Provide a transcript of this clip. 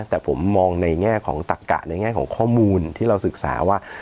แต่ผมมองในแง่ของตักกะในแง่ของข้อมูลที่เราศึกษาว่า